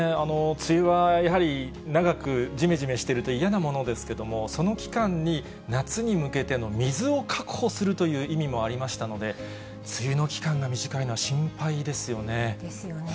梅雨はやはり、長くじめじめしてると嫌なものですけども、その期間に夏に向けての水を確保するという意味もありましたので、梅雨の期間が短いのは心配ですよね。